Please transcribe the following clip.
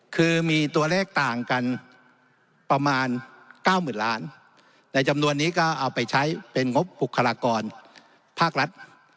คือมีตัวเลขต่างกันประมาณ๙๐๐๐ล้านในจำนวนนี้ก็เอาไปใช้เป็นงบบุคลากรภาครัฐ